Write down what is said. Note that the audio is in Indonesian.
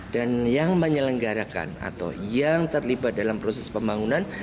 dan yang menyelenggarakan atau yang terlibat dalam proses pembangunan